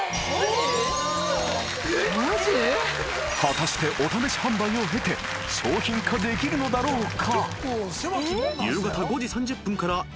［果たしてお試し販売を経て商品化できるのだろうか？］